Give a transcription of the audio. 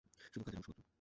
শুধু কাজের অংশ মাত্র।